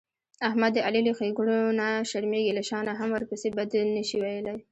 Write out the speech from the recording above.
احمد د علي له ښېګڼونه شرمېږي، له شا نه هم ورپسې بد نشي ویلای.